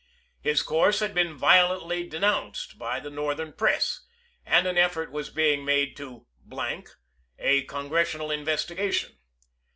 His course had been violently denounced by the Northern press, and an effort was being made to x a Congressional investiga tion.